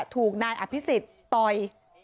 ถูกนายอภิษฎต่อย